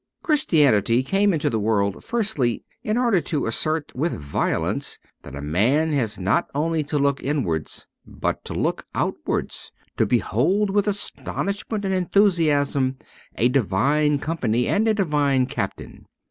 Christianity came into the world, firstly, in order to assert with violence that a man had not only to look inwards, but to look outwards, to behold with astonishment and en thusiasm a divine company and a divine captain.